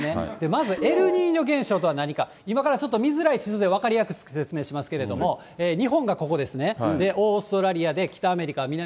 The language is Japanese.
まずエルニーニョ現象とは何か、今からちょっと見づらい地図で分かりやすくしますけれども、日本がここですね、オーストラリアがここで。